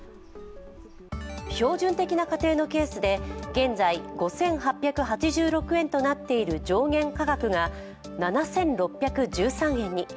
標準的な家庭のケースで現在５８８６円となっている上限価格が７６１３円に。